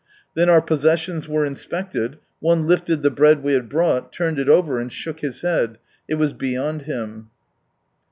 Then our possessions were inspected, one lifted the bread we had brought, turned it over, and shook his head, it was beyond him.